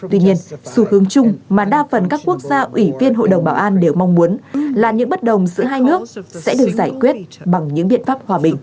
tuy nhiên xu hướng chung mà đa phần các quốc gia ủy viên hội đồng bảo an đều mong muốn là những bất đồng giữa hai nước sẽ được giải quyết bằng những biện pháp hòa bình